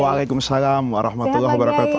waalaikumsalam warahmatullahi wabarakatuh